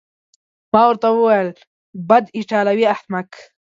ما ورته وویل: بد، ایټالوی احمق.